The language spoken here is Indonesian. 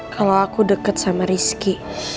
kalo aku deket sama rizky